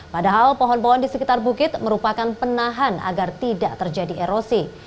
padahal pohon pohon di sekitar bukit merupakan penahan agar tidak terjadi erosi